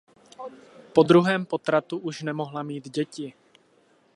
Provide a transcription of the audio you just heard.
Po druhém potratu už nemohla mít děti.